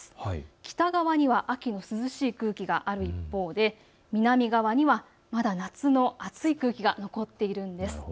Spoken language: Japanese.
北側には秋の涼しい空気がある一方で南側にはまだ夏の暑い空気が残っているんです。